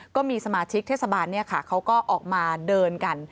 ก็มีสมาชิกเทศบาลเขาก็ออกมาเดินกัน